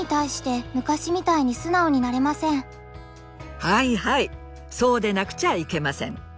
はいはいそうでなくちゃいけません。